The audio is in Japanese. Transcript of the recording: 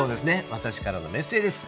私からのメッセージです。